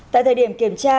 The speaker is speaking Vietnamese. tại thời điểm kiểm tra